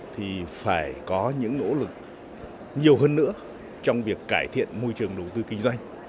thì phải có những nỗ lực nhiều hơn nữa trong việc cải thiện môi trường đầu tư kinh doanh